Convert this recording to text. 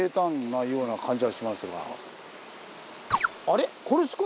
あれ？